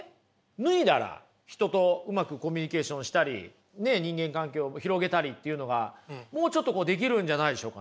脱いだら人とうまくコミュニケーションしたり人間関係を広げたりっていうのがもうちょっとできるんじゃないでしょうか。